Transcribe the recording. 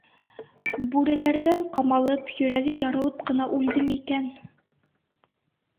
Бүреләрҙән ҡамалып, йөрәге ярылып ҡына үлдеме икән?..